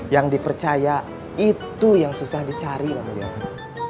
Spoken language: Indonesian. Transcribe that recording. yang dipercaya itu yang susah dicari namulyana